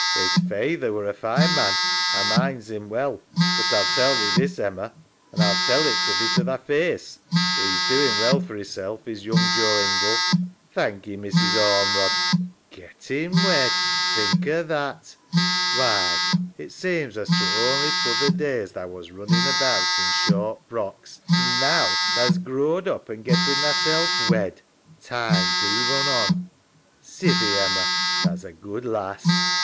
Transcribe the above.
'Is faither were a fine man. A minds 'im well. But A'U tell thee this. i LONESOME LIKE 293 Emma, an' A'll tell it thee to thy faice, 'e's doin' well for 'isself is young Joe 'Indie. EMMA. Thankee, Mrs. Ormerod. SARAH. Gettin' wed! Think o' that. Why, it seems as t'were only t'other day as tha was running about in short frocks, an' now tha's growed up and gettin' thasel' wed! Time do run on. Sithee, Emma, tha's a good lass.